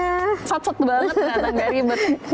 berapa banget ternyata nggak ribet